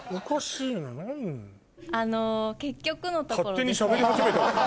勝手にしゃべり始めたわよ。